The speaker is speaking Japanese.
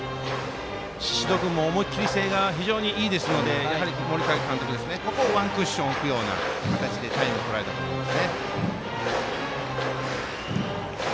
宍戸君も思い切りがいいですので森影監督、ここでワンクッション置くような形でタイムをとられたと思います。